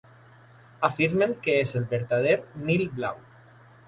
Afirmen que és el vertader Nil Blau.